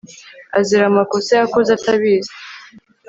azira amakosa yakoze atabizi